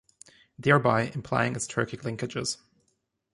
Thereby implying its Turkic linkages.